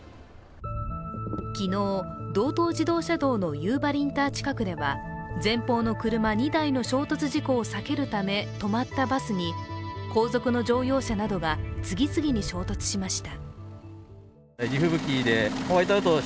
昨日、道東自動車道の夕張インター近くでは前方の車２台の衝突事故を避けるため止まったバスに後続の乗用車などが次々に衝突しました。